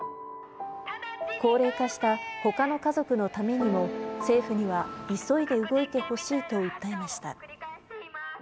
高齢化したほかの家族のためにも、政府には急いで動いてほしいと訴えました。